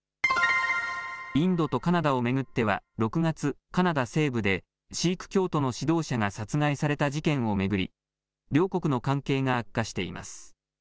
インドとカナダを巡っては６月、カナダ西部でシーク教徒の指導者が殺害された事件を巡り、両国の関係が悪化しています。